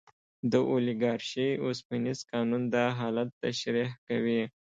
د اولیګارشۍ اوسپنیز قانون دا حالت تشریح کوي.